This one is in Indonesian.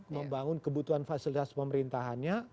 membangun kebutuhan fasilitas pemerintahannya